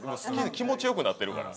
気持ち良くなってるから。